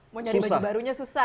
mau nyari baju barunya susah